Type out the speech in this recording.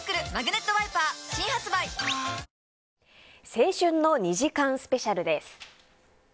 青春の２時間スペシャルです。